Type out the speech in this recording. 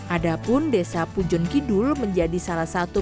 ada pun desa pujon kidul menjadi salah satu